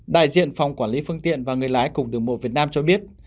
đại diện phòng quản lý phương tiện và người lái cùng đường mộ việt nam cho biết